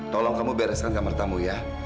tolong kamu bereskan kamar tamu ya